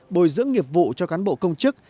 bồi dưỡng nghiệp vụ cho cán bộ công chức